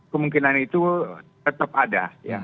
kemungkinan itu tetap ada